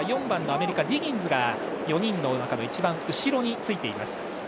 ４番のアメリカ、ディギンズが４人の中の一番後ろについています。